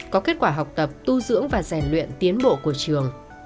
có kết quả học tập tu dưỡng và rèn luyện tiến bộ của trường